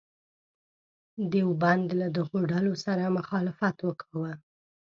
دیوبند له دغو ډلو سره مخالفت وکاوه.